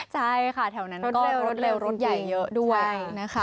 ใช่ค่ะแถวนั้นก็รถเร็วสิ่งใหญ่เยอะด้วย